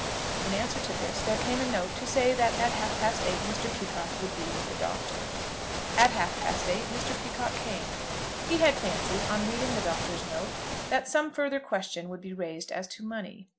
In answer to this there came a note to say that at half past eight Mr. Peacocke would be with the Doctor. At half past eight Mr. Peacocke came. He had fancied, on reading the Doctor's note, that some further question would be raised as to money.